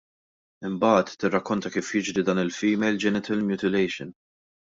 Imbagħad, tirrakkonta kif jiġri dan il-female genital mutilation.